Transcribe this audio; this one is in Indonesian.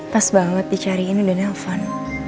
pas banget dicariin udah nevan